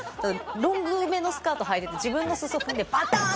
ロングめのスカートはいてて自分の裾踏んでバタン！